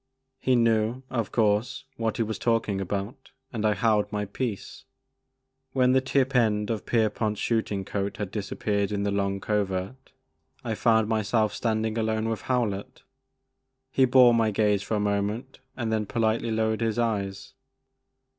He knew, of course, what he was talking about and I held my peace. When the tip end of Pierpont's shooting coat had disappeared in the I/)ng Covert, I found my self standing alone with Howlett. He bore my gaze for a moment and then politely lowered his eyes.